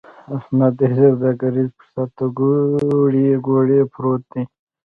احمد دې سوداګريز فرصت ته کوړۍ کوړۍ پروت دی.